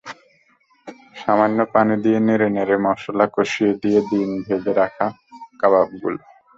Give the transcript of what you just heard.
সামান্য পানি দিয়ে নেড়ে নেড়ে মসলা কষিয়ে দিয়ে দিন ভেজে রাখা কাবাবগুলো।